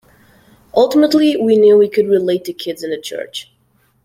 Ultimately, we knew we could relate to kids in the church.